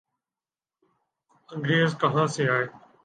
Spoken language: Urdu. انگریز کہاں سے آئے؟